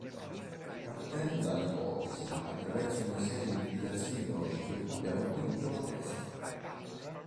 Partendo dall'ipotesi, attraverso una serie di implicazioni logiche abbiamo ottenuto la tesi.